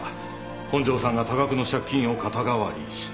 本庄さんが多額の借金を肩代わりした。